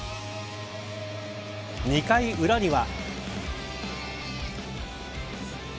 ２回裏には。